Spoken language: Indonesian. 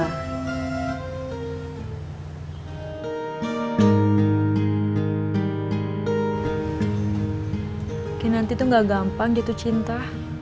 mungkin nanti tuh enggak gampang jatuh cinta